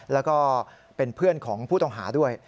แล้วก็เป็นเพื่อนของผู้ต้องหาด้วย